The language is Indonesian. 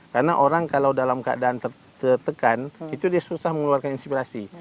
karena orang kalau dalam keadaan tertekan itu dia susah mengeluarkan inspirasi